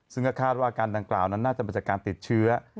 ซึ่งก็คาดว่าอาการดังกล่าวนั้นน่าจะมาจากการติดเชื้อ